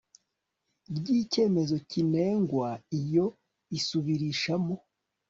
ry icyemezo kinengwa Iyo isubirishamo